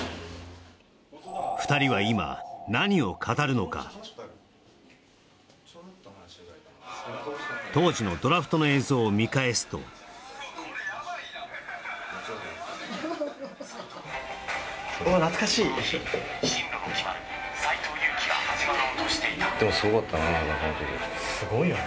２人は今何を語るのか当時のドラフトの映像を見返すとすごいよね